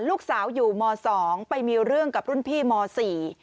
ลูกสาวอยู่มสองไปมีเรื่องกับรุ่นพี่มสี่